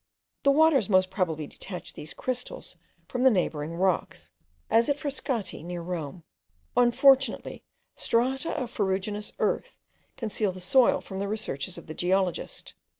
The waters most probably detach these crystals from the neighbouring rocks, as at Frascati, near Rome. Unfortunately, strata of ferruginous earth conceal the soil from the researches of the geologist.